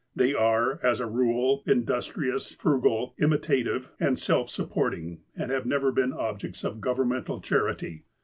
They are, as a rule, industrious, frugal, imita tive, and self supporting, and have never been objects of governmental charity.